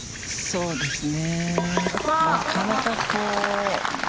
そうですね。